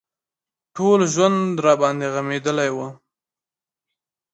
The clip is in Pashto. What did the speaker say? ټول ژوند راباندې غمېدلى و.